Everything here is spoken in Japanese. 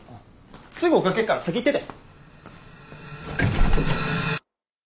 すぐ追っかけっから先行ってて。